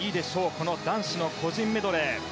この男子の個人メドレー。